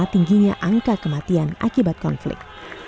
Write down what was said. dan kematian akibat konflik